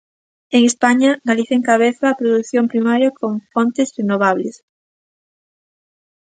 En España, Galicia encabeza a produción primaria con fontes renovables.